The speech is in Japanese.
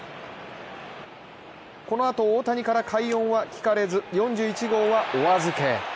このあと大谷から快音は聞かれず４１号はお預け。